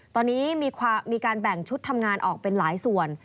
ตอนนี้มีการแบ่งชุดทำงานออกเป็นหลายส่วน